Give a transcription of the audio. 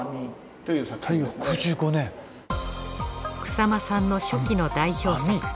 草間さんの初期の代表作。